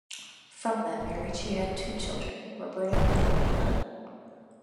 From that marriage, he had two children: Roberto and Elena.